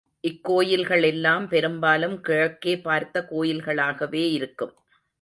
இக்கோயில்கள் எல்லாம் பெரும்பாலும் கிழக்கே பார்த்த கோயில்களாகவே இருக்கும்.